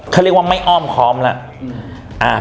เขาเรียกว่าไม่อ้อมค้อมแล้ว